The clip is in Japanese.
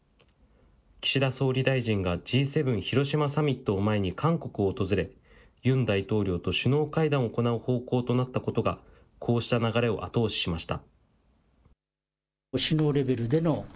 岸田総理大臣がＧ７広島サミットを前に韓国を訪れ、ユン大統領と首脳会談を行う方向となったことがこうした流れを後押ししました。